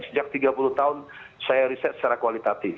sejak tiga puluh tahun saya riset secara kualitatif